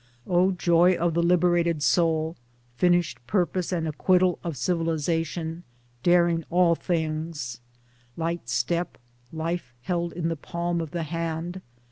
O joy of the liberated soul (finished purpose and acquittal of civilisation), daring all things — light step, life held in the palm of the hand